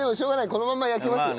このまま焼きますよ。